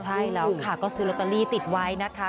ใช่แล้วค่ะก็ซื้อลอตเตอรี่ติดไว้นะคะ